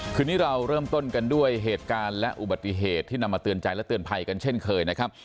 คืนนี้เราเริ่มต้นกันด้วยเหตุการณ์และอุบัติเหตุที่นำมาเตือนใจและเตือนภัยกันเช่นเคยนะครับ